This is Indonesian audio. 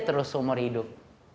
terus seumur hidup